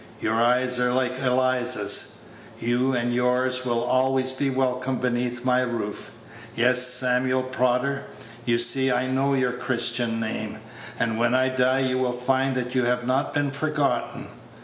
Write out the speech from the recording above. Your eyes are like Eliza's. You and yours will always be welcome beneath my roof. Yes, Samuel Prodder you see I know your Christian name and when I die you will find that you have not been forgotten."